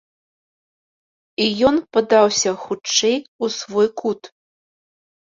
І ён падаўся хутчэй у свой кут.